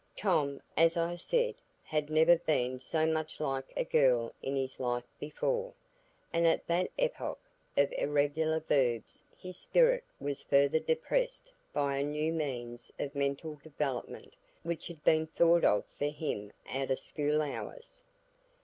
Tom, as I said, had never been so much like a girl in his life before, and at that epoch of irregular verbs his spirit was further depressed by a new means of mental development which had been thought of for him out of school hours.